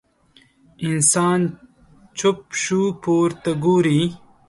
انسان چوپ شو، پورته ګوري.